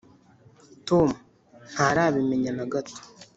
tom ntarabimenya na gato